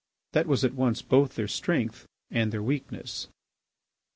That was at once both their strength and their weakness.